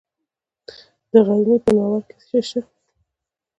د غزني په ناوور کې څه شی شته؟